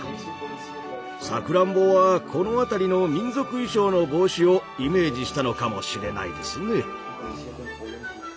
さくらんぼはこの辺りの民族衣装の帽子をイメージしたのかもしれないですね。